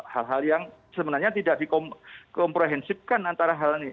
hal hal yang sebenarnya tidak dikomprehensifkan antara hal ini